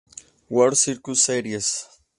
World Circuit Series